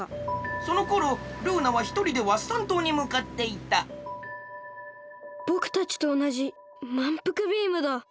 そのころルーナはひとりでワッサン島にむかっていたこころのこえぼくたちとおなじまんぷくビームだ。